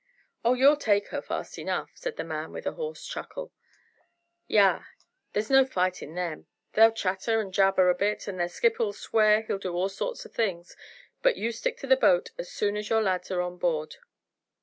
"Oh you'll take her, fast enough," said the man with a hoarse chuckle. "Yah! There's no fight in them. They'll chatter and jabber a bit, and their skipper'll swear he'll do all sorts o' things, but you stick to the boat as soon as your lads are on board."